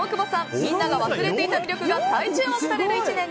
みんなが忘れていた魅力が再注目される１年に。